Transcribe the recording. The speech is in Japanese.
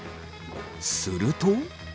すると。